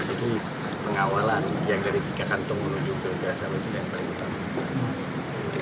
itu pengawalan yang dari tiga kantong menuju ke grasa babuana yang paling penting